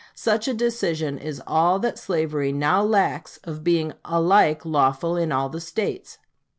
Such a decision is all that slavery now lacks of being alike lawful in all the States....